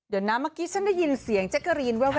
เดี๋ยวนะเมื่อกี้ฉันได้ยินเสียงแจ๊กกะรีนแวว